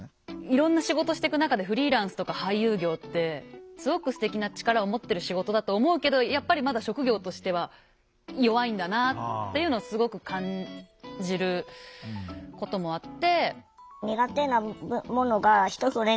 いろんな仕事していく中でフリーランスとか俳優業ってすごくすてきな力を持ってる仕事だと思うけどやっぱりまだ職業としては弱いんだなっていうのをすごく感じることもあって。